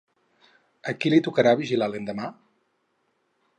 A qui li tocarà vigilar l'endemà?